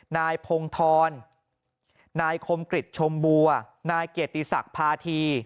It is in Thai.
นายพงธรนายคมกริจชมบัวนายเกียรติศักดิ์พาธี